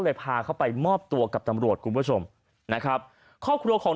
พาเขาไปมอบตัวกับตำรวจคุณผู้ชมนะครับครอบครัวของ